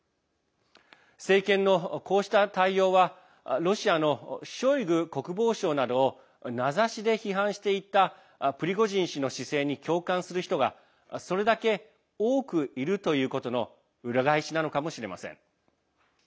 政権の、こうした対応はロシアのショイグ国防相などを名指しで批判していたプリゴジン氏の姿勢に共感する人がそれだけ多くいるということの裏返しなのかもしれません。